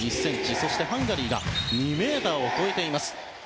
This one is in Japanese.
そしてハンガリーは２ｍを超えています。